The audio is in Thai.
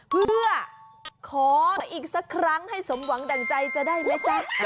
เพื่อขออีกสักครั้งให้สมหวังดั่งใจจะได้ไหมจ๊ะ